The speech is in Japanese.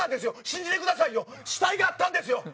信じてくださいよ死体があったんですよ！